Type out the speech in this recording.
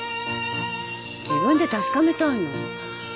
自分で確かめたいの。